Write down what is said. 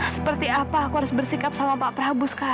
seperti apa aku harus berdoa